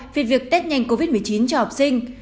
về việc test nhanh covid một mươi chín cho học sinh